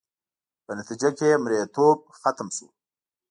په نتیجه کې یې مریتوب ختم شو.